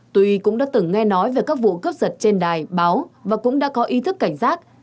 tuy cũng đã từng nghe nói về các vụ cướp giật trên đài báo và cũng đã có ý thức cảnh giác